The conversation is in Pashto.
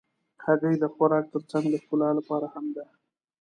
هګۍ د خوراک تر څنګ د ښکلا لپاره هم ده.